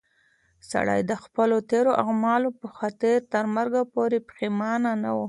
سړی د خپلو تېرو اعمالو په خاطر تر مرګ پورې پښېمانه و.